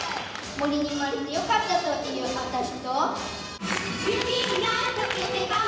森に生まれてよかったというあたしと。